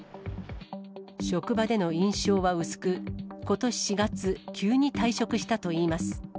職場での印象は薄く、ことし４月、急に退職したといいます。